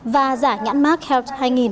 và giả nhãn mark health hai nghìn